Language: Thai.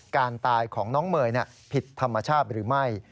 การตายของน้องเมย์ผิดธรรมชาติหรือไม่